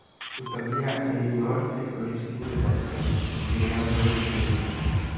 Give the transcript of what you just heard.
Tuttavia Lady Morte lo respinge sempre, considerandolo inferiore.